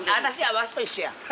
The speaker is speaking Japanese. わしと一緒や。